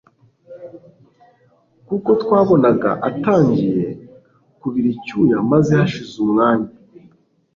kuko twabonaga atangiye kubiricyuya maze hashize umwanya